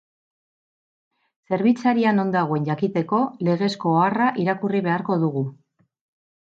Zerbitzaria non dagoen jakiteko, legezko oharra irakurri beharko dugu.